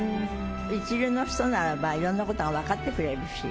一流の人ならばいろんなことが分かってくれるし。